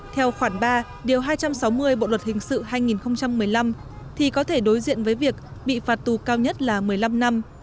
theo khoản ba điều hai trăm sáu mươi bộ luật hình sự hai nghìn một mươi năm thì có thể đối diện với việc bị phạt tù cao nhất là một mươi năm năm